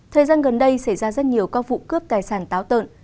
thời gian gần đây xảy ra rất nhiều các vụ cướp tài sản táo tợn